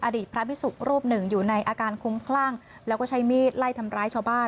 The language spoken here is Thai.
อดีตพระพิสุรูปหนึ่งอยู่ในอาการคุ้มคลั่งแล้วก็ใช้มีดไล่ทำร้ายชาวบ้าน